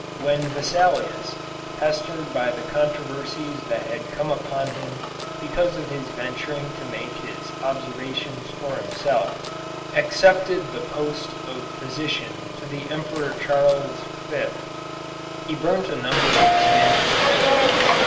When Vesalius, pestered by the controversies that had come upon him because of his venturing to make his observations for himself, accepted the post of physician to the Emperor Charles V, he burnt a number of his manuscripts.